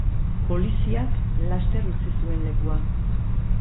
Poliziak laster utzi zuen lekua.